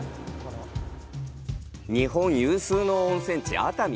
日本有数の温泉地、熱海。